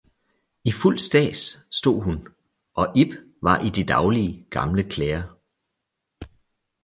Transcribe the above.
I fuld stads stod hun og Ib var i de daglige, gamle klæder.